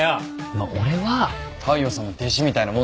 まあ俺は大陽さんの弟子みたいなもんなんで。